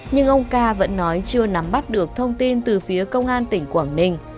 nhưng ông ca vẫn nói chưa nắm bắt được thông tin từ phía công an tỉnh quảng ninh